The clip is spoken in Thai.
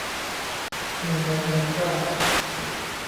ฮิวแมนิก้า